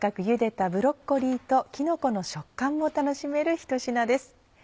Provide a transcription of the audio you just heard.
茹でたブロッコリーときのこの食感も楽しめるひと品です。